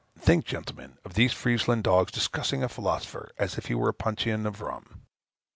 Think, gentlemen, of these Friezland dogs discussing a philosopher as if he were a puncheon of rum.